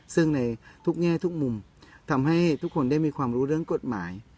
ซึ่งในทุกแง่ทุกมุมทำให้ทุกคนได้มีความรู้เรื่องกฎหมาย